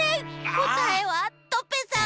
こたえはトペさん。